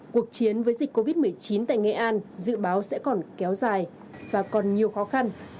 cuộc chiến với dịch covid một mươi chín tại nghệ an dự báo sẽ còn kéo dài và còn nhiều khó khăn